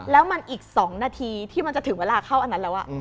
แล้วมันอีก๒นาทีที่มันจะถึงเวลาเข้าอันนั้นแล้ว